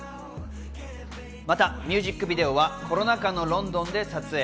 またミュージックビデオはコロナ禍のロンドンで撮影。